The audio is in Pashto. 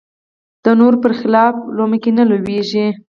د نورو بر خلاف لومه کې نه لویېږي